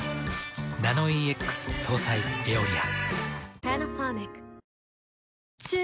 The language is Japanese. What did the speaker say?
ナノイーＸ搭載「エオリア」。